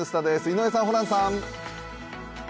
井上さん、ホランさん。